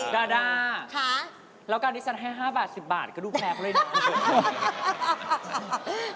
ดาดาแล้วการดิจันทร์ให้๕บาท๑๐บาทก็ดูแพงกว่าไรนะ